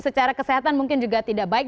secara kesehatan mungkin juga tidak baik